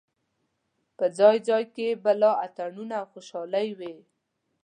په ځای ځای کې به لا اتڼونه او خوشالۍ وې.